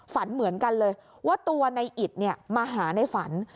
ฝันเหมือนกันเลยว่าตัวในอิตมาหาในฝัน